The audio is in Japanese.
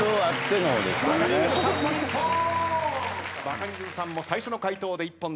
バカリズムさんも最初の回答で一本。